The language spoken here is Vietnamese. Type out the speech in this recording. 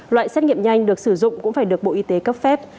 loại xét nghiệm nhanh được sử dụng cũng phải được bộ y tế cấp phép